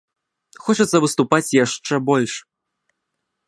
Хочацца выступаць яшчэ больш.